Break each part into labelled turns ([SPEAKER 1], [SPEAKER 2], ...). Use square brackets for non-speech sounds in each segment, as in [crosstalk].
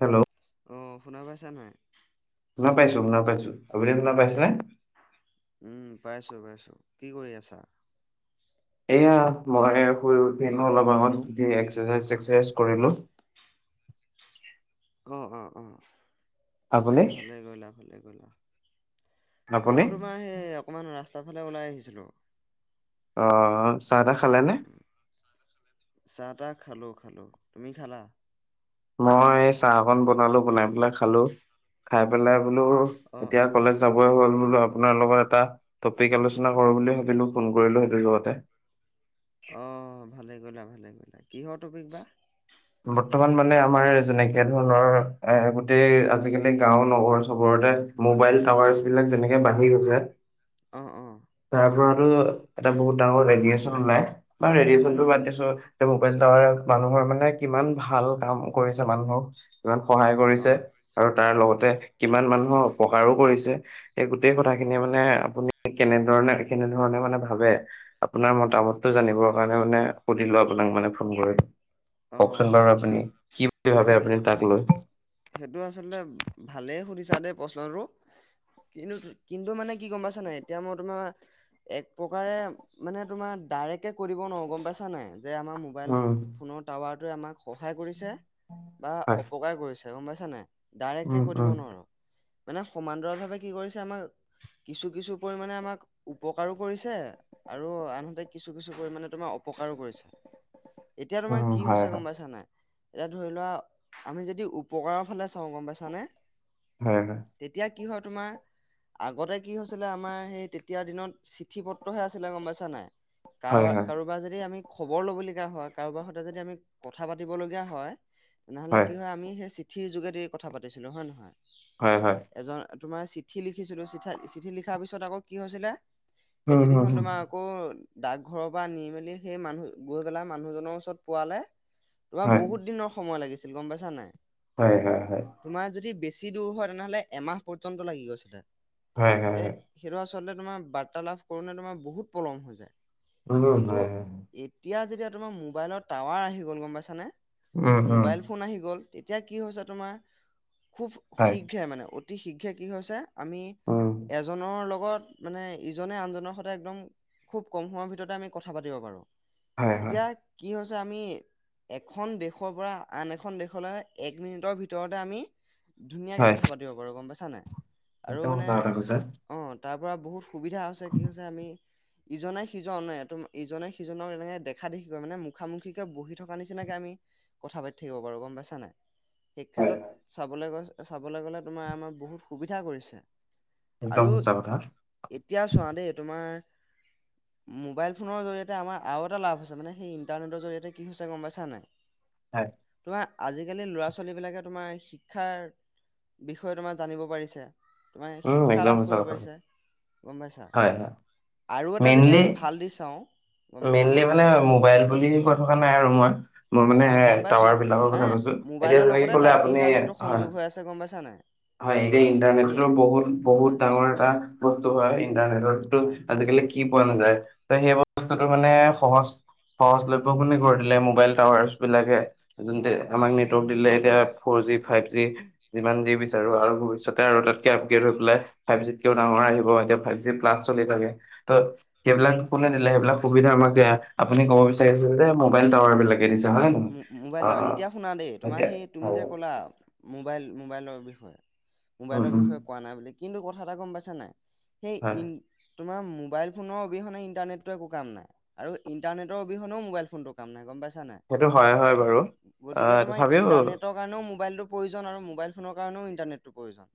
[SPEAKER 1] Hello!
[SPEAKER 2] অ শুনা পাইছা নাই?
[SPEAKER 1] শুনা পাইছো শুনা পাইছো, আপুনি শুনা পাইছে নে?
[SPEAKER 2] উম পাইছো পাইছো, কি কৰি আছা?
[SPEAKER 1] এয়া মই শুই উঠি অলপ আগত
[SPEAKER 2] হেল্ল'।
[SPEAKER 1] এক্সাৰচাইজ ছেক্সৰচাইজ কৰিলো।
[SPEAKER 2] অ অ অ,
[SPEAKER 1] আপুনি
[SPEAKER 2] ভালে কৰিলা ভালে কৰিলা।
[SPEAKER 1] আপুনি
[SPEAKER 2] মইয়ো তোমাৰ সেই অকণমান ৰাস্তাৰ ফালে ওলাই আহিছিলোঁ।
[SPEAKER 1] অ চাহ তাহ খালে নে?
[SPEAKER 2] চাহ তাহ খালোঁ খালোঁ, তুমি খালা?
[SPEAKER 1] মই চাহ অকন বনালো, বনাই পেলাই খালো। খাই পেলাই বোলো
[SPEAKER 2] অ',
[SPEAKER 1] এতিয়া
[SPEAKER 2] অ',
[SPEAKER 1] কলেজ। যাবই হ'ল বোলো আপোনাৰ লগত এটা টপিক আলোচনা কৰো বুলি ভাবিলো ফোন কৰিলো সেইটো লগতে।
[SPEAKER 2] অঁ ভালে কৰিলা ভালে কৰিলা, কিহৰ টপিক বা?
[SPEAKER 1] বৰ্তমান মানে আমাৰ যেনেকে ধৰণৰ এ গোটেই আজিকালি গাওঁ নগৰ চহৰতে। মোবাইল টাৱাৰ্চ
[SPEAKER 2] অ',
[SPEAKER 1] বিলাক যেনেকে বাঢ়ি গৈছে।
[SPEAKER 2] অ অ।
[SPEAKER 1] তাৰ পৰাতো এটা বহুত ডাঙৰ ৰেডিয়েচন ওলাই বা ৰেডিয়েচনটো
[SPEAKER 2] উম,
[SPEAKER 1] বাদ দিছো। মোবাইল টাৱাৰে মানুহৰ মানে কিমান ভাল কাম কৰিছে মানুহক। কিমান সহায় কৰিছে
[SPEAKER 2] অ',
[SPEAKER 1] আৰু তাৰ
[SPEAKER 2] অ',
[SPEAKER 1] লগতে কিমান মানুহৰ অপকাৰো কৰিছে। এই গোটেই
[SPEAKER 2] হয়
[SPEAKER 1] কথা
[SPEAKER 2] হয়
[SPEAKER 1] খিনি মানে আপুনি কেনেধৰণে কেনেধৰণে মানে ভাবে? আপোনাৰ
[SPEAKER 2] হয়।
[SPEAKER 1] মতামতটো জানিবৰ কাৰণে মানে সুধিলো আপোনাক মানে ফোন কৰি কওকচোন
[SPEAKER 2] অ',
[SPEAKER 1] বাৰু আপুনি কি বুলি
[SPEAKER 2] সেইটো
[SPEAKER 1] ভাবে আপুনি তাক লৈ
[SPEAKER 2] সেইটো আচলতে ভালেই সুধিছা দেই প্ৰশ্নটো কিন্তু, কিন্তু মানে কি গম পাইছা নাই এতিয়া মই তোমাৰ একপ্ৰকাৰে মানে তোমাৰ ডাইৰেক্টকে কৈ দিব নোৱাৰো গম পাইছা নে নাই, যে আমাৰ মোবাইল,
[SPEAKER 1] উম
[SPEAKER 2] ফোনৰ টাৱাৰটোৱে আমাক সহায় কৰিছে, বা
[SPEAKER 1] হয়
[SPEAKER 2] অপকাৰ কৰিছে, গম পাইছা নাই?
[SPEAKER 1] উম
[SPEAKER 2] ডাইৰেক্টকে কৈ
[SPEAKER 1] উম
[SPEAKER 2] দিব নোৱাৰো, মানে সমান্তৰাল ভাৱে কি কৰিছে আমাৰ কিছু কিছু পৰিমানে আমাক, উপকাৰো কৰিছে আৰু আনহাতে কিছো, কিছো পৰিমানে তোমাৰ অপকাৰো কৰিছে। এতিয়া তোমাৰ
[SPEAKER 1] উম
[SPEAKER 2] কি
[SPEAKER 1] হয়
[SPEAKER 2] হৈছে
[SPEAKER 1] হয়
[SPEAKER 2] গম পাইছা নে নাই এতিয়া ধৰি লোৱা, আমি যদি উপকাৰৰ ফালে চাওঁ গম পাইছানে
[SPEAKER 1] হয়, হয়।
[SPEAKER 2] তেতিয়া কি হয় তোমাৰ আগতে কি হৈছিলে, আমাৰ সেই তেতিয়াৰ দিনত চিঠি পত্ৰহে আছিলে গম পাইছা নাই। কাৰ,
[SPEAKER 1] হয় হয় হয়
[SPEAKER 2] কাৰোবাৰ যদি আমি খবৰ ল'ব লগীয়া হ'য় কাৰোবাৰ সৈতে যদি আমি কথা পাতিব লগীয়া হ'য়, তেনেহ'লে কি হ'য় আমি সেই চিত ঠিৰ যোগেদিয়ে কথা পাতিছিলোঁ হয় নে নহয়,
[SPEAKER 1] হয় হয় হয়
[SPEAKER 2] এজন তোমাৰ চিঠি লিখিছিলো, চিঠা, চিঠি লিখাৰ পিছত আকৌ কি হৈছিলে, সেই চিঠিখন
[SPEAKER 1] হয়,
[SPEAKER 2] তোমাৰ আকৌ, ডাকঘৰৰ পৰা নি মেলি সেই মানুহ গৈ পেলাই মানুহজনৰ ওচৰত পোৱালে তোমাৰ
[SPEAKER 1] হয়।
[SPEAKER 2] বহুত দিনৰ সময় লাগিছিল, গম পাইছা নাই?
[SPEAKER 1] হয়, হয়, হয়।
[SPEAKER 2] তোমাৰ যদি বেছি দূৰ হ'য় তেনেহ'লে এমাহ পৰ্যন্ত লাগি গৈছিলে, এ সেইটো আচলতে তোমাৰ বাৰ্তালাভ কৰোঁনে তোমাৰ বহুত পলম হৈ যায়, কিন্তু এতিয়া, যেতিয়া তোমাৰ মোবাইলত টাৱাৰ আহি গ'ল, গম পাইছানে, মোবাইল ফোন আহি গ'ল তেতিয়া কি হৈছে তোমাৰ, খুব শীঘ্ৰে মানে, অতি শীঘ্ৰে কি হৈছে আমি, এজনৰ লগত মানে ইজনে আনজনৰ সৈতে একদম, খুব কম সময়ৰ ভিতৰতে আমি কথা পাতিব পাৰোঁ। এতিয়া, কি হৈছে আমি এখন দেশৰ পৰা, আন এখন দেশলৈ, এক মিনিটৰ ভিতৰতে আমি ধুনীয়াকে কথা পাতিব পাৰো গম পাইছা নে নাই, আৰু মানে,
[SPEAKER 1] সঁচা কথা কৈছা।
[SPEAKER 2] অ' তাৰ পৰা বহুত সুবিধা হৈছে কি হৈছে আমি, ইজনে সিজনে, ইজনে সিজনক এনেকে দেখ দেখা দেখিকৈ মানে মুখামুখিকে বহি থকা নিচিনাকে আমি, কথা পাতি থাকিব পাৰো গম পাইছা নাই? সেই
[SPEAKER 1] হয়
[SPEAKER 2] ক্ষেত্ৰত,
[SPEAKER 1] হয়।
[SPEAKER 2] চাবলৈ গ'ই, চাবলৈ গ'লে তোমাৰ আমাৰ বহুত সুবিধা কৰিছে।
[SPEAKER 1] একদম
[SPEAKER 2] আৰু
[SPEAKER 1] সঁচা কথা।
[SPEAKER 2] এতিয়া চোৱা দেই তোমাৰ, মোবাইল ফোনৰ জৰিয়তে আমাৰ আৰু এটা লাভ হৈছে মানে সেই ইণ্টাৰনেটৰ জৰিয়তে কি হৈছে গম পাইছা নাই,
[SPEAKER 1] হয়।
[SPEAKER 2] তোমাৰ আজিকালি ল'ৰা ছোৱালীবিলাকে তোমাৰ শিক্ষাৰ, বিষয়ে তোমাৰ জানিব পাৰিছে তোমাৰ
[SPEAKER 1] উম,
[SPEAKER 2] শিক্ষা
[SPEAKER 1] একদম
[SPEAKER 2] লাভ
[SPEAKER 1] সঁচা
[SPEAKER 2] কৰিব
[SPEAKER 1] কথা।
[SPEAKER 2] পাৰিছে, গম পাইছা?
[SPEAKER 1] হয় হয়।
[SPEAKER 2] আৰু এটা যদি
[SPEAKER 1] মেইনলি
[SPEAKER 2] আমি ভাল দিখ চাওঁ, গম পাইছানে?
[SPEAKER 1] মেইনলি মানে মোবাইল বুলি কৈ থকা নাই আৰু মই মই মানে
[SPEAKER 2] অ গম পাইছো
[SPEAKER 1] টাৱাৰ বিলাকৰ কথা
[SPEAKER 2] মানে
[SPEAKER 1] কৈছো, এতিয়া
[SPEAKER 2] মোবাইলৰ
[SPEAKER 1] যেনেকে
[SPEAKER 2] লগতে
[SPEAKER 1] কলে
[SPEAKER 2] তাৰ
[SPEAKER 1] আপুনি
[SPEAKER 2] ইণ্টাৰনেটটো
[SPEAKER 1] হ'য়
[SPEAKER 2] সংযোগ হৈ আছে গম পাইছা নাই
[SPEAKER 1] হয়, এতিয়া
[SPEAKER 2] সেই
[SPEAKER 1] ইন্টাৰনেটতো বহুত, বহুত
[SPEAKER 2] হয়
[SPEAKER 1] ডাঙৰ এটা বস্তু হয়, ইণ্টাৰনেতটো
[SPEAKER 2] হয়
[SPEAKER 1] আজিকালি কি পোৱা নাযায়, ত' সেই বস্তুতটো
[SPEAKER 2] হয়
[SPEAKER 1] মানে সহজ সহজলৈভ খিনি কৰি দিলে, মোবাইল টাৱাৰছ বিলাকে যোনতোৱে
[SPEAKER 2] হয় হয়
[SPEAKER 1] আমাক নেটৱৰ্ক দিলে, এতিয়া four G
[SPEAKER 2] um
[SPEAKER 1] five G, যিমান যি বিচাৰো আৰু ভৱিষৎ চতে
[SPEAKER 2] হয়
[SPEAKER 1] আৰু
[SPEAKER 2] হয়
[SPEAKER 1] তাতকে আপগ্ৰেড হৈ পেলাই, ফাইভ জিত কেওঁ ডাঙৰ আহিব, এতিয়া ফাইভ জি
[SPEAKER 2] অ
[SPEAKER 1] প্লাছ চলি থাকে ত' সেইবিলাক কোনে দিলে, সেইবিলাক সুবিধা আমাকে, আপুনি কব বিচাৰিছে যে মোবাইল টাৱাৰ
[SPEAKER 2] উম,
[SPEAKER 1] বিলাকে দিছে হয় নে নহয়
[SPEAKER 2] মো
[SPEAKER 1] অ
[SPEAKER 2] মোবাইল টাৱাৰ, এতিয়া শুনা দেই তোমাৰ
[SPEAKER 1] এতিয়া
[SPEAKER 2] সেই তুমি
[SPEAKER 1] হয়
[SPEAKER 2] যে ক'লা মোবাইল, মোবাইলৰ বিষয়ে
[SPEAKER 1] উম
[SPEAKER 2] মোবাইলৰ
[SPEAKER 1] উম
[SPEAKER 2] বিষয়ে। কোৱা নাই বুলি, কিন্তু কথা এটা গম পাইছা নাই সেই
[SPEAKER 1] হয়
[SPEAKER 2] ইন তোমাৰ মোবাইল ফোনৰ অবিহনে, ইণ্টাৰনেটটো একো কাম নাই আৰু ইণ্টাৰনেটৰ অবিহনেও মোবাইল ফোনটো কাম নাই, গম পাইছা নাই।
[SPEAKER 1] সেইটো হয় হয় বাৰু।
[SPEAKER 2] গতিকে
[SPEAKER 1] আহ
[SPEAKER 2] তোমাৰ
[SPEAKER 1] তথাপিও
[SPEAKER 2] ইন্টাৰনেটৰ কাৰণেও মোবাইলটো প্ৰয়োজন আৰু মোবাইল ফোনৰ কাৰণেও ইণ্টাৰনেটটো প্ৰয়োজন।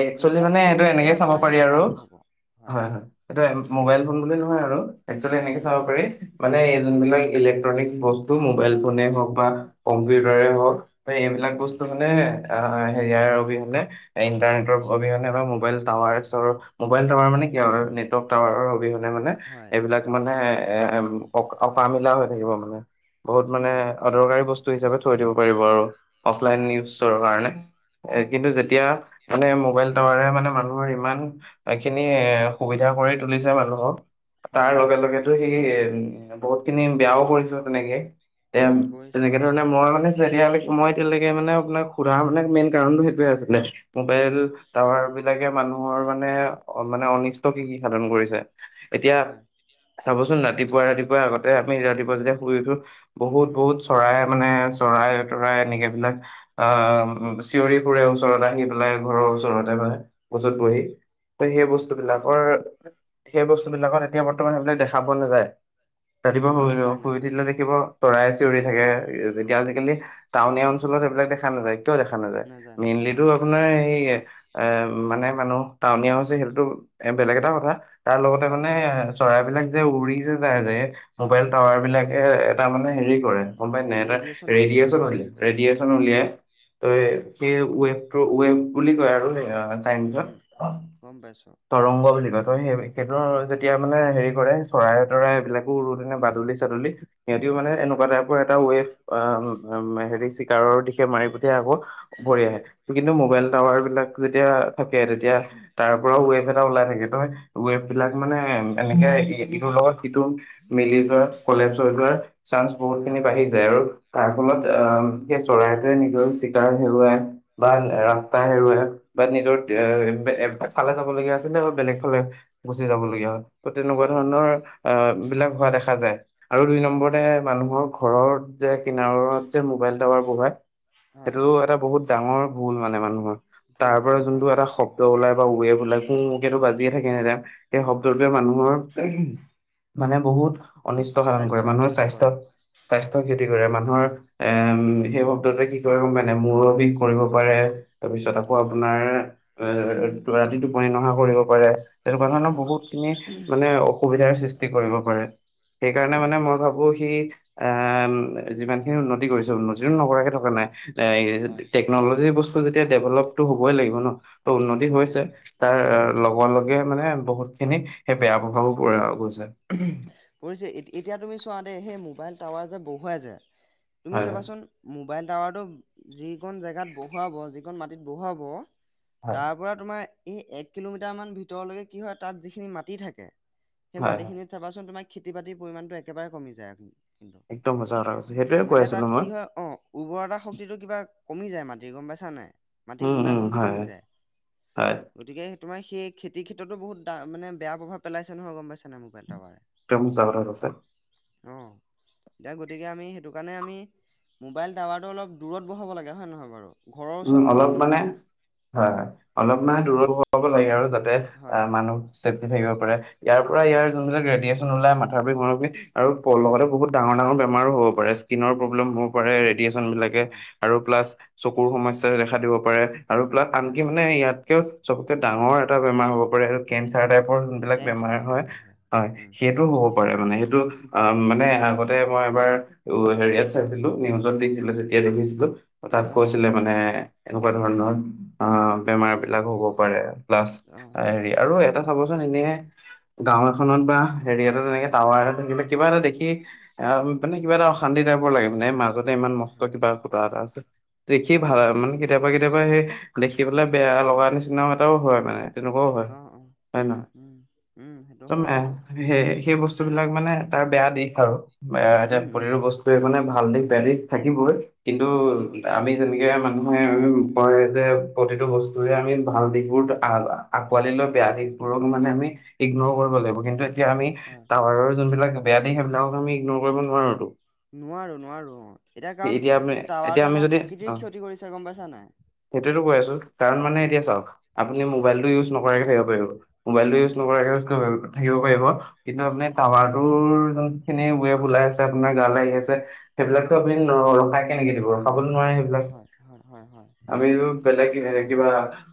[SPEAKER 1] একচুৱেলি
[SPEAKER 2] দুইটা
[SPEAKER 1] মানে
[SPEAKER 2] বস্তু
[SPEAKER 1] এইটো এনেকে
[SPEAKER 2] মিলিলেহে
[SPEAKER 1] চাব
[SPEAKER 2] তোমাৰ
[SPEAKER 1] পাৰি
[SPEAKER 2] সেই
[SPEAKER 1] আৰু
[SPEAKER 2] কামটো হ'ব
[SPEAKER 1] হয়, হয়। এইটো
[SPEAKER 2] উম
[SPEAKER 1] মবাইল ফোন বুলি নহয় আৰু, একচুৱেলি এনেকে
[SPEAKER 2] উম
[SPEAKER 1] চাব পাৰি মানে, এই যোনবিলাক ইলেক্ট্ৰনিক বস্তু, মোবাইল ফোনে হওক বা কম্পিউটাৰে হওক বা এইবিলাক
[SPEAKER 2] উম
[SPEAKER 1] বস্তু মানে আ হেৰিয়াৰ অবিহনে ইন ইণ্টাৰনেটৰ অবিহনে বা মোবাইল টাৱাৰছৰ, মোবাইল টাৱাৰ মানে কি আৰু নেটৱৰ্ক টাৱাৰৰ অবিহনে এ, মানে
[SPEAKER 2] হয়
[SPEAKER 1] এইবিলাক মানে এ, অ' অকামিলা হৈ থাকিব মানে। বহুত মানে
[SPEAKER 2] উম
[SPEAKER 1] অদৰকাৰী বস্তু হিচাপে থৈ দিব পাৰিব আৰু। অফলাইন
[SPEAKER 2] হয়
[SPEAKER 1] নিউজৰ কাৰণে
[SPEAKER 2] উম
[SPEAKER 1] কিন্তু যেতিয়া মানে মোবাইল টাৱাৰে মানে, মানুহৰ ইমানখিনি সুবিধা কৰি তুলিছে মানুহক। তাৰ
[SPEAKER 2] হয়
[SPEAKER 1] লগে
[SPEAKER 2] হয়
[SPEAKER 1] লগে লগেতো সেই বহুতখিনি বেয়াও কৰিছে তেনেকে। এ
[SPEAKER 2] উম কৰিছে
[SPEAKER 1] তেনেকে ধৰণে
[SPEAKER 2] নিশ্চয়
[SPEAKER 1] মই মানে যেতিয়ালৈকে মই এতিয়ালৈকে মানে, আপোনাক সোধাৰ মানে মেইন কাৰণটো সেইটোয়ে আছিলে,
[SPEAKER 2] উম
[SPEAKER 1] মোবাইল টাৱাৰ বিলাকে মানুহৰ মানে, মানে অনিষ্ট কি কি সাধন কৰিছে এতিয়া
[SPEAKER 2] হয়
[SPEAKER 1] চাবচোন ৰাতিপুৱা, ৰাতিপুৱা আগতে আমি ৰাতিপুৱা যেতিয়া শুই উঠো বহুত,
[SPEAKER 2] উম
[SPEAKER 1] বহুত চৰাই মানে চৰাই, তৰাই এনেকাবিলাক অ চিঞৰি ফুৰে ওচৰত আহি। পেলাই ঘৰৰ
[SPEAKER 2] অ
[SPEAKER 1] ওচৰতে বা গছত
[SPEAKER 2] উম
[SPEAKER 1] বহি, ত' সেই
[SPEAKER 2] উম
[SPEAKER 1] বস্তুবিলাকৰ সেই বস্তুবিলাকত এতিয়া বৰ্তমান সেইবিলাক দেখা পোৱা নাযায়। ৰাতিপুৱা
[SPEAKER 2] উম
[SPEAKER 1] শুই
[SPEAKER 2] নাযায়
[SPEAKER 1] শুই
[SPEAKER 2] নাযায়
[SPEAKER 1] উঠিলে থাকিব চৰাই চিঞৰি থাকে, এতিয়া
[SPEAKER 2] উম
[SPEAKER 1] আজিকালি টাউনীয়া অঞ্চলত এইবিলাক দেখা নাযায়। কেতিয়াওঁ দেখা নাযায়, মেইনলি
[SPEAKER 2] নাযায়
[SPEAKER 1] ত'
[SPEAKER 2] হয়
[SPEAKER 1] এই এ মানে মানুহ টাউনীয়া হৈছে, সেইটোতো এ, বেলেগ এটা কথা। তাৰ লগতে
[SPEAKER 2] হয়
[SPEAKER 1] মানে
[SPEAKER 2] হয়
[SPEAKER 1] এ চৰাইবিলাক যে, উৰি যে যায় যে, মোবাইল
[SPEAKER 2] হয়
[SPEAKER 1] টাৱাৰবিলাকে তাৰমানে হেৰি কৰে। গম পাই নাই এটা
[SPEAKER 2] ৰেডিয়েচন পঠায়
[SPEAKER 1] ৰেডিঅচন উলিয়াই, ৰেডিঅচন
[SPEAKER 2] অ
[SPEAKER 1] উলিয়াই, ত'
[SPEAKER 2] উম
[SPEAKER 1] সেই ৱেপ টো‌ ৱেব বুলি কয় আৰু সেইয়া
[SPEAKER 2] উম উম গম পাইছোঁ।
[SPEAKER 1] তৰংগ বুলি কয়, ত' সেই সেইটো
[SPEAKER 2] হয় হয়
[SPEAKER 1] যেতিয়া মানে হেৰি কৰে, চৰাই তৰাই এইবিলাকো তেনে বাদুলি চাদুলি সিহতিও মানে
[SPEAKER 2] উম
[SPEAKER 1] এনেকুৱা টাইপ এটা ৱেব আহ হেৰি চিকাৰৰ দিশে মাৰি পঠিয়াই আকৌ।
[SPEAKER 2] উম
[SPEAKER 1] ভৰি
[SPEAKER 2] উম
[SPEAKER 1] আহে, কিন্তু মোবাইল
[SPEAKER 2] উম
[SPEAKER 1] টাৱাৰবিলাক যেতিয়া থাকে তেতিয়া ৱেব এটা ওলাই থাকে, ত'
[SPEAKER 2] উম
[SPEAKER 1] ৱেববিলাক মানে এনেকে ইটোৰ লগত সিটো মিলি যোৱা কলেপছ হৈ যোৱাৰ চান্স বহুত
[SPEAKER 2] অ
[SPEAKER 1] খিনি বাঢ়ি যায় আৰু তাৰ ফলত
[SPEAKER 2] বাঢ়ি যায়
[SPEAKER 1] আহ
[SPEAKER 2] হয়
[SPEAKER 1] গতিকে চৰাইটোৱে নিজৰ চিকাৰ হেৰুৱায়। বা
[SPEAKER 2] উম
[SPEAKER 1] ৰাস্তা হেৰুৱাই বা নিজৰ
[SPEAKER 2] উম,
[SPEAKER 1] এ এ এফালে যাবলগীয়া আছিলে বেলেগফালে গুচি যাব লগীয়া হয়। ত' তেনেকুৱা
[SPEAKER 2] অ', অ',
[SPEAKER 1] ধৰণৰ অ' বিলাক হোৱা দেখা যায়। আৰু দুই
[SPEAKER 2] অ',
[SPEAKER 1] নম্বৰতে মানুহৰ ঘৰত যে, কিনাৰত যে, মোবাইল টাৱাৰ বহায়।
[SPEAKER 2] হয়,
[SPEAKER 1] সেইটো এটা বহুত ডাঙৰ ভুল মানে মানুহৰ।
[SPEAKER 2] ভুল
[SPEAKER 1] তাৰ পৰা
[SPEAKER 2] ভুল
[SPEAKER 1] যোনটো
[SPEAKER 2] হয়।
[SPEAKER 1] এটা শব্দ ওলাই ৱেব ওলাই কুকেটো বাজিয়ে থাকে এনিটাইম সেই
[SPEAKER 2] উম, উম,
[SPEAKER 1] শব্দটোৱে মানুহৰ এহম মানে বহুত অনিষ্ট সাধন কৰে
[SPEAKER 2] স্বাস্থ্যৰ
[SPEAKER 1] মানুহৰ
[SPEAKER 2] ক্ষতি কৰে।
[SPEAKER 1] স্বাস্থ্যত স্বাস্থ্য ক্ষতি কৰে মানুহৰ। এ,
[SPEAKER 2] উম,
[SPEAKER 1] সেই শব্দতে কি কৰে গম পায় নাই, মূৰৰ বিষ কৰিব পাৰে। তাৰপিছত আকৌ
[SPEAKER 2] অ',
[SPEAKER 1] আপোনাৰ এ ৰাতি টোপনি নহা কৰিব পাৰে। তেনেকুৱা ধৰণৰ
[SPEAKER 2] অ',
[SPEAKER 1] বহুত খিনি মানে অসুবিধাৰ সৃষ্টি কৰিব পাৰে। সেইকাৰণে
[SPEAKER 2] হয়,
[SPEAKER 1] মানে
[SPEAKER 2] হয়,
[SPEAKER 1] মই ভাবোঁ কি আহ যিমান খিনি উন্নতি কৰিছে উন্নতিতটো নকৰাকে থকা নাই।
[SPEAKER 2] হয়,
[SPEAKER 1] [unintelligible] টেকনলজি বস্তু যেতিয়া ডেভেলপটো হ'বই লাগিব ন, ত উন্নতি
[SPEAKER 2] হ'বই
[SPEAKER 1] হৈছে
[SPEAKER 2] লাগিব হয়,
[SPEAKER 1] তাৰ
[SPEAKER 2] উম,
[SPEAKER 1] লগ তে মানে বহুত খিনি সেই বেয়া প্ৰভাৱো পৰে আৰু। [unintelligible]
[SPEAKER 2] পৰিছে, এতিয়া তুমি চোৱা দেই সেই মোবাইল টাৱাৰ যে বহুৱাই যে তুমি
[SPEAKER 1] হয়।
[SPEAKER 2] চাবাচোন মোবাইল টাৱাৰটো যিকণ জেগাত বহুৱাব যিকণ মাটিত বহুৱাব তাৰ
[SPEAKER 1] হয়।
[SPEAKER 2] তাৰ পৰা তোমাৰ এই এক কিলোমিটাৰমান ভিতৰলৈকে কি হয় তাত যিখিনি মাটি থাকে সেই
[SPEAKER 1] হয়, হয়।
[SPEAKER 2] মাটিখিনিত চাবাচোন তোমাৰ খেতি বাতি পৰিমাণটোে একেবাৰে কমি যায়।
[SPEAKER 1] একদম সঁচা কথা কৈছে। সেইটোৱে কৈ
[SPEAKER 2] মানে তাত
[SPEAKER 1] আছিলোঁ মই।
[SPEAKER 2] কি হয় অ উৰ্বৰতা শক্তিটো কিবা কমি যায় মাটিৰ গম পাইছা নাই। মাটিৰ
[SPEAKER 1] উম, উম,
[SPEAKER 2] গুণাগুণটো
[SPEAKER 1] হয়,
[SPEAKER 2] কমি যায়।
[SPEAKER 1] হয়।
[SPEAKER 2] গতিকে তোমাৰ সেই খেতিৰ ক্ষেত্ৰতো বহুত তা মানে বেয়া প্ৰভাৱ পেলাইছে নহয় গম পাইছ নে মোবাইল টাৱাৰে।
[SPEAKER 1] একদম সঁচা কথা কৈছা।
[SPEAKER 2] অ। এতিয়া গতিকে আমি সেইটো কাৰণে আমি মোবাইল টাৱাৰটো অলপ দূৰত বহাব লাগে হয় নহয় বাৰু? ঘৰৰ
[SPEAKER 1] উম
[SPEAKER 2] ওচৰত
[SPEAKER 1] অলপ
[SPEAKER 2] বহাব
[SPEAKER 1] মানে
[SPEAKER 2] নালাগে
[SPEAKER 1] হয় হয়, অলপ
[SPEAKER 2] অ
[SPEAKER 1] মানে দূৰত বহাব লাগে আৰু যাতে অ
[SPEAKER 2] হয় হয়
[SPEAKER 1] মানুহ চেফলি থাকিব পাৰে ইয়াৰ পৰা ইয়াৰ
[SPEAKER 2] হয়
[SPEAKER 1] যোনবিলাক ৰেডিয়েচন ওলাই মাথা বিষ মূৰৰ বিষ আৰু
[SPEAKER 2] উম
[SPEAKER 1] লগতে বহুত ডাঙৰ ডাঙৰ বেমাৰো হব পাৰে স্কিনৰ প্ৰব্লেম হ'ব পাৰে। পাৰে ৰেডিয়েচন বিলাকে
[SPEAKER 2] অ
[SPEAKER 1] আৰু প্লাছ চকুৰ সমস্যাই দেখা দিব পাৰে আৰু প্লা
[SPEAKER 2] হয়
[SPEAKER 1] আনকি
[SPEAKER 2] হয়
[SPEAKER 1] মানে ইয়াতকেও চবতকৈ ডাঙৰ এটা বেমাৰ হ'ব পাৰে আৰু কেঞ্চাৰ টাইপৰ যোনবিলাক বেমাৰ
[SPEAKER 2] কেঞ্চাৰ
[SPEAKER 1] হয়,
[SPEAKER 2] কেঞ্চাৰ
[SPEAKER 1] হয়
[SPEAKER 2] উম
[SPEAKER 1] সেইটোও হব হ'ব পাৰে। মানে সেইটো মানে আগতে মই এবাৰ টো হেৰিয়াত চাইছিলো নিউজত দেখিছিলো তেতিয়া দেখিছিলো তাত
[SPEAKER 2] অ অ
[SPEAKER 1] কৈছিলে মানে এনেকুৱা ধৰণৰ অ বেমাৰ বিলাকো হ'ব পাৰে। প্লাছ
[SPEAKER 2] অ
[SPEAKER 1] হেৰি আৰু এটা চাবচোন এনে গাও এখনত বা হেৰিয়তে তেনেকে
[SPEAKER 2] উম
[SPEAKER 1] টাৱাৰ এটা থাকিলে কিবা এটা দেখি এ মানে কিবা এটা অশান্তি টাইপৰ লাগে মানে। মাজতে ইমান
[SPEAKER 2] হয়
[SPEAKER 1] মষ্ট
[SPEAKER 2] হয়
[SPEAKER 1] কিবা খুটা এটা আছে দেখিয়ে
[SPEAKER 2] অ
[SPEAKER 1] ভাল নালাগে। মানে কেতিয়াবা কেতিয়াবা কেতিয়াবা সেই দেখি পেলাই বেয়া লগা নিচিনা এটাও হয় মানে। তেনেকুৱাও হয়,
[SPEAKER 2] অ অ
[SPEAKER 1] হয় নহয়?
[SPEAKER 2] উম উম সেইটো হয় বাৰু
[SPEAKER 1] [unintelligible] সে সেই বস্তু বিলাক মানে তাৰ বেয়া দিশ আৰু এতিয়া
[SPEAKER 2] উম উম
[SPEAKER 1] প্ৰতিটো বস্তুৰে মানে ভাল দিশ বেয়া দিশ থাকিবই কিন্তু
[SPEAKER 2] থাকিবই থাকিবই
[SPEAKER 1] তেনেকে মানুহে বৰযে প্ৰতিটো বস্তুৰে আমি ভাল দিশ বোৰ [unintelligible] আকোৱালি লৈ মানে বেয়া দিশবোৰক মানে আমি ইগনৰ কৰিব লাগিব। কিন্তু এতিয়া আমি
[SPEAKER 2] হয়
[SPEAKER 1] টাৱাৰৰ যোনবিলাক বেয়া দিশ সেইবিলাকক আমি ইগনৰ কৰিব নোৱাৰোতো।
[SPEAKER 2] নোৱাৰো নোৱাৰো। এতিয়া কাৰণ
[SPEAKER 1] আমি
[SPEAKER 2] সেই
[SPEAKER 1] এতিয়া
[SPEAKER 2] টাৱাৰটোৱে
[SPEAKER 1] আমি
[SPEAKER 2] আমাৰ প্ৰকৃতিৰ ক্ষতি কৰিছে গম পাইছা নাই।
[SPEAKER 1] সেইটোৱেতো কৈ আছো। কাৰণ
[SPEAKER 2] অ
[SPEAKER 1] মানে এতিয়া চাওক আপুনি
[SPEAKER 2] উম
[SPEAKER 1] মোবাইলটো ইউজ নকৰাকে থাকিব পাৰিব, মোবাইলটো
[SPEAKER 2] হয়
[SPEAKER 1] ইউজ
[SPEAKER 2] হয়
[SPEAKER 1] নকৰাকৈ [unintelligible] থাকিব পাৰিব কিন্তু আপুনি
[SPEAKER 2] উম
[SPEAKER 1] টাৱাৰ তোৰ যোন খিনি ৱেভ ওলাই আছে আপোনাৰ গালৈ আহি আছে সেইবিলাকটো
[SPEAKER 2] উম
[SPEAKER 1] আপুনি [unintelligible] কেনেকৈ দিব খাবলৈ নোৱাৰে সেইবিলাক,
[SPEAKER 2] হয় হয় হয় হয়
[SPEAKER 1] আমিটো বেলেগ কিবা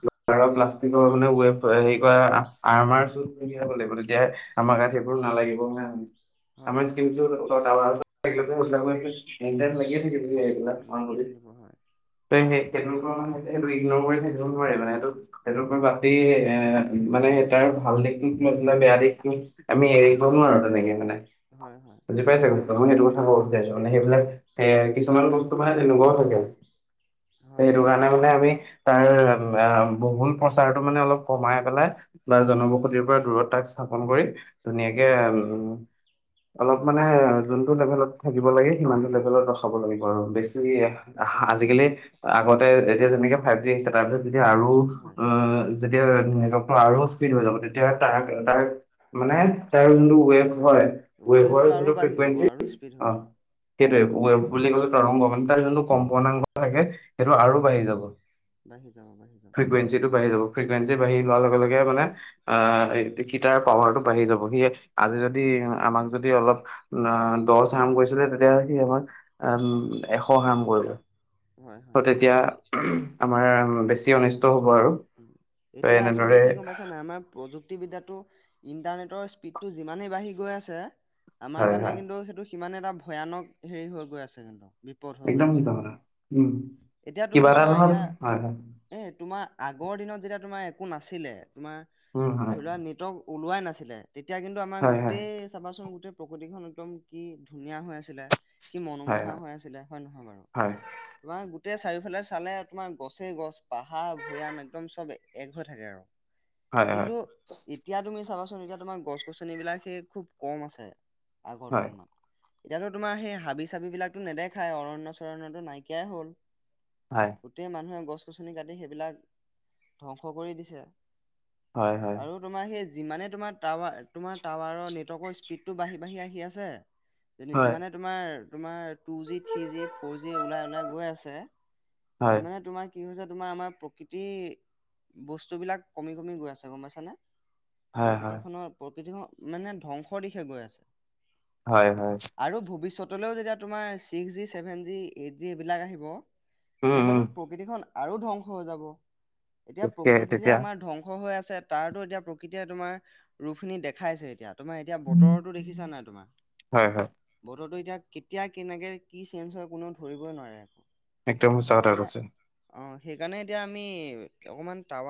[SPEAKER 1] লোহাৰৰ প্লাষ্টিকৰ মানে ৱেভ হেৰি কৰা আৰ্মাৰ চুত পিন্ধি ল'ব লাগিব তেতিয়াহে আমাৰ গাত
[SPEAKER 2] অ
[SPEAKER 1] সেইবোৰ নালাগিব নহয়
[SPEAKER 2] হয়
[SPEAKER 1] আমাৰ
[SPEAKER 2] হয়
[SPEAKER 1] স্কিন টো টাৱাৰ [unintelligible]
[SPEAKER 2] দিব হয়।
[SPEAKER 1] ত, সেইটো মানে সেইটো ইগনৰ কৰি থাকিব নোৱাৰি মানে, সেইটো-
[SPEAKER 2] হয়
[SPEAKER 1] সেইটোৰ এ মানে তাৰ ভাল দিশটোক লৈ পেলাই আমি বেয়া দিশটো আমি এৰি দিব নোৱাৰি তেনেকৈ,
[SPEAKER 2] হয় হয়
[SPEAKER 1] বুজি পাইছে কথাটো, মই সেইটো কথা ক'ব
[SPEAKER 2] উম
[SPEAKER 1] বিচাৰিছোঁ মানে, সেইবিলাক এ কিছুমান বস্তু মানে তেনেকুৱাও থাকে।
[SPEAKER 2] হয়
[SPEAKER 1] সেইটো
[SPEAKER 2] হয়
[SPEAKER 1] কাৰণে মানে
[SPEAKER 2] হয়
[SPEAKER 1] আমি
[SPEAKER 2] বাৰু
[SPEAKER 1] তাৰ অ, বহুল প্ৰচাৰটো মানে অলপ কমাই পেলাই বা
[SPEAKER 2] উম
[SPEAKER 1] জনবসতিৰ পৰা দূৰত তাক স্থাপন কৰি ধুনীয়াকে উম অলপ মানে এ, যোনটো লেভেলত থাকিব লাগে, সিমানটো লেভেলত ৰখাব লাগিব। আৰু বেছি এ
[SPEAKER 2] ৰ- ৰখাব
[SPEAKER 1] আজিকালি
[SPEAKER 2] লাগিব
[SPEAKER 1] আগতে এতিয়া যেনেকে ফাইভ জি আহিছে, তাৰপিছত যদি আৰু
[SPEAKER 2] হয়
[SPEAKER 1] অ যেতিয়া নেটৱৰ্কটো আৰু স্পীড হৈ যাব। তেতিয়া তাৰ-
[SPEAKER 2] উম
[SPEAKER 1] তাৰ মানে তাৰ যোনটো ৱেব হয় ৱেভৰ
[SPEAKER 2] ৱেভটো আৰু
[SPEAKER 1] যোনটো
[SPEAKER 2] বাঢ়ি যাব
[SPEAKER 1] ফ্ৰিকুৱেঞ্চি,
[SPEAKER 2] আৰু স্পীড হৈ
[SPEAKER 1] অ।
[SPEAKER 2] যাব
[SPEAKER 1] সেইটোৱে, ৱেভ বুলি ক'লে তৰংগ মানে তাৰ যোনটো
[SPEAKER 2] হয়
[SPEAKER 1] কম্পনাংক থাকে সেইটো আৰু বাঢ়ি যাব।
[SPEAKER 2] বাঢি যাব, বাঢ়ি যাব।
[SPEAKER 1] ফ্ৰিকুৱেঞ্চিটো বাঢ়ি যাব, ফ্ৰিকুৱেঞ্চি বঢ়ি যোৱাৰ লগে লগে মানে আ
[SPEAKER 2] উম
[SPEAKER 1] এই সেইকিতাৰ পাৱাৰটো বাঢ়ি যাব। সি আজি যদি আমাক যদি অলপ আ, দচ হাৰাম কৰিছিলে, তেতিয়া হ'লে সি আমাক আম এশ হাৰাম কৰিব।
[SPEAKER 2] হয়
[SPEAKER 1] ত' তেতিয়া
[SPEAKER 2] হয়
[SPEAKER 1] আমাৰ বেছি অনিষ্ট হ'ব আৰু।
[SPEAKER 2] উম,
[SPEAKER 1] ত
[SPEAKER 2] এতিয়া আচলতে
[SPEAKER 1] এনেদৰে
[SPEAKER 2] কি গম পাইছা নাই, আমাক প্ৰযুক্তিবিদ্যাটো ইণ্টাৰনেটৰ স্পীডটো যিমানেই বাঢ়ি গৈ আছে আমাৰ
[SPEAKER 1] হয়
[SPEAKER 2] কাৰণে
[SPEAKER 1] হয়
[SPEAKER 2] কিন্তু সেইটো সিমানে এটা ভয়ানক হেৰি হৈ গৈ আছে কিন্তু। বিপদ হৈ গৈ
[SPEAKER 1] একদম
[SPEAKER 2] আছে।
[SPEAKER 1] সঁচা কথা, উম।
[SPEAKER 2] এতিয়া তুমি
[SPEAKER 1] কিবা এটা
[SPEAKER 2] চোৱা,
[SPEAKER 1] নহয়
[SPEAKER 2] এতিয়া
[SPEAKER 1] হয় হয়
[SPEAKER 2] এ, তোমাৰ আগৰ দিনত যেতিয়া তোমাৰ একো নাছিলে, তোমাৰ
[SPEAKER 1] উম হয়
[SPEAKER 2] ধৰি লোৱা নেটৱৰ্ক ওলোৱাই নাছিলে। তেতিয়া কিন্তু আমাৰ
[SPEAKER 1] হয় হয়
[SPEAKER 2] গোটেই চাবাচোন গোটেই প্ৰকৃতিখন একদম কি ধুনীয়া হৈ আছিলে। কি
[SPEAKER 1] হয়
[SPEAKER 2] মনোমোহা হৈ আছিলে হয় নহয় বাৰু?
[SPEAKER 1] হয়
[SPEAKER 2] তোমাৰ গোট গোটেই চাৰিওফালে চালে তোমাৰ গছেই গছ, পাহাৰ, ভৈয়াম একদম চব এক হৈ থাকে আৰু।
[SPEAKER 1] হয়
[SPEAKER 2] কিন্তু এতিয়া তুমি চাবাচোন এতিয়া তোমাৰ গছ- গছনিবিলাক সেই খুব কম আছে। আগৰ
[SPEAKER 1] হয়
[SPEAKER 2] তুলনাত এতিয়াতো তোমাৰ সেই হাবি- চাবি বিলাকটো নেদেখায় অৰণ্য- চৰণ্যতো নাইকিয়াই হ'ল।
[SPEAKER 1] হয়।
[SPEAKER 2] গোটেই মানুহে গছ- গছনি কাটি সেইবিলাক ধ্বংস কৰি দিছে।
[SPEAKER 1] হয়- হয়।
[SPEAKER 2] আৰু তোমাৰ সেই যিমানে তোমাৰ টাৱা এ, তোমাৰ টাৱাৰৰ নেটৱৰ্ক স্পীডটো বাঢ়ি বাঢ়ি আহি আছে
[SPEAKER 1] হয়
[SPEAKER 2] যিমানে তোমাৰ- তোমাৰ two G, three G, four G ওলাই- ওলাই গৈ আছে
[SPEAKER 1] হয় হয়
[SPEAKER 2] সিমানে তোমাক কি হৈছে তোমাৰ আমাৰ প্ৰকৃতিৰ বস্তুবিলাক কমি কমি গৈ আছে গম পাইছানে?
[SPEAKER 1] হয় হয়
[SPEAKER 2] প্ৰকৃতিখনৰ- প্ৰকৃতিখন মানে ধ্বংসৰ দিশে গৈ আছে।
[SPEAKER 1] হয়- হয়।
[SPEAKER 2] আৰু ভৱিষ্যতলৈও যেতিয়া তোমাৰ six G, seven G, eight G, এইবিলাক আহিব
[SPEAKER 1] উম
[SPEAKER 2] তেতিয়াহ'লেতো
[SPEAKER 1] উম
[SPEAKER 2] প্ৰকৃতিখন আৰু ধ্বংস হৈ যাব। এতিয়া
[SPEAKER 1] গতিকে
[SPEAKER 2] প্ৰকৃতি যে
[SPEAKER 1] তেতিয়া
[SPEAKER 2] আমাৰ ধ্বংস হৈ আছে। এতিয়া প্ৰকৃতিয়ে তোমাৰ ৰূপখিনি দেখাই আছে এতিয়া। তোমাৰ এতিয়া
[SPEAKER 1] উম।
[SPEAKER 2] বতৰতো দেখিছাঁ নাই তোমাৰ?
[SPEAKER 1] হয় হয়
[SPEAKER 2] বতৰতো এতিয়া কেতিয়া কেনেকে কি চেঞ্জ হয় কোনেও ধৰিবই নোৱাৰে।
[SPEAKER 1] একদম সঁচা কথা
[SPEAKER 2] সেইকাৰণে
[SPEAKER 1] কৈছে।
[SPEAKER 2] অ সেইকাৰণে এতিয়া আমি অকমান তাৱাত